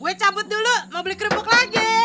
gue cabut dulu mau beli kerupuk lagi